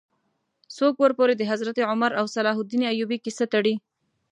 څوک ورپورې د حضرت عمر او صلاح الدین ایوبي کیسه تړي.